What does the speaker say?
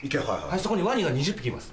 そこにワニが２０匹います。